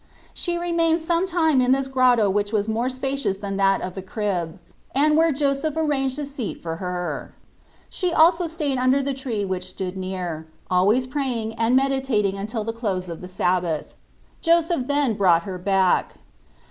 She remained some time in this grotto which was more spacious than that of the crib ; and where Joseph arranged a seat for her. She stayed also under the tree which stood near, always praying and medi tating until the close of the Sabbath. Joseph then brought her back.